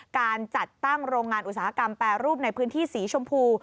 การจัดตั้งโรงงานอุตสาหกรรมแปรรูปในพื้นที่สีชมพู